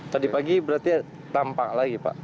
tadi pagi berarti tampak lagi pak